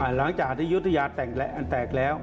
หลังจากที่ยุธยาอันแตกแล้ว